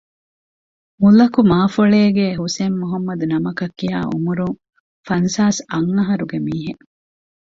މުލަކު މާފޮޅޭގޭ ޙުސައިން މުޙައްމަދު ނަމަކަށްކިޔާ ޢުމުރުން ފަންސާސް އަށް އަހަރުގެ މީހެއް